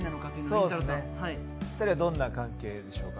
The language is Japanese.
２人はどんな関係でしょうか？